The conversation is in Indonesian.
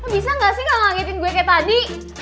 bisa gak sih kamu anggetin gue kayak tadi